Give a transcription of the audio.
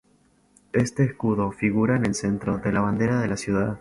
Este escudo figura en el centro de la bandera de la ciudad.